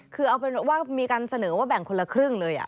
คือมีการเสนอว่าแบ่งคนละครึ่งเลย